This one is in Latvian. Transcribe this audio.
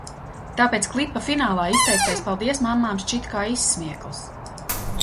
Tāpēc klipa finālā izteiktais paldies mammām šķita kā izsmiekls.